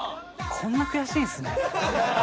こんな悔しいんですね。